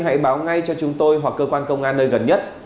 hãy báo ngay cho chúng tôi hoặc cơ quan công an nơi gần nhất